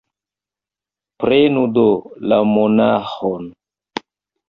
Prenu do la monaĥon!